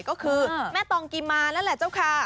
ก็คือแม่ตองกิมานั่นแหละเจ้าค่ะ